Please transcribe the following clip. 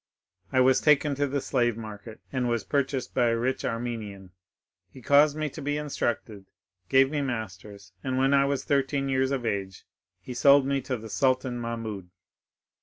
I was taken to the slave market, and was purchased by a rich Armenian. He caused me to be instructed, gave me masters, and when I was thirteen years of age he sold me to the Sultan Mahmoud."